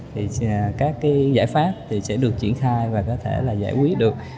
thì các cái giải pháp thì sẽ được triển khai và có thể là giải quyết được